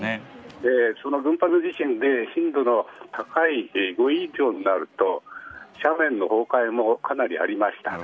その群発地震で震度の高い５以上になると斜面の崩壊もかなりありました。